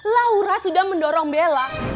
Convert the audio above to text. laura sudah mendorong bella